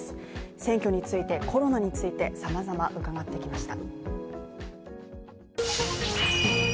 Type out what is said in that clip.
選挙について、コロナについて、様々伺ってきました。